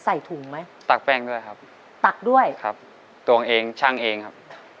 ใส่ถุงไหมตักแป้งด้วยครับตักด้วยครับตัวเองชั่งเองครับ